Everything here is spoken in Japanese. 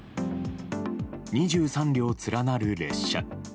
２３両連なる列車。